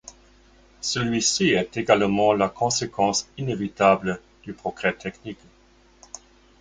Celui-ci est également la conséquence inévitable du progrès technique.